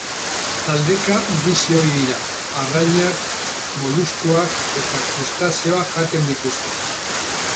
Taldeka bizi ohi dira, arrainak, moluskuak eta krustazeoak jaten dituzte.